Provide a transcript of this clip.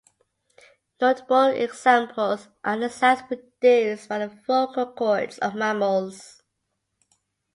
Notable examples are the sound produced by the vocal chords of mammals.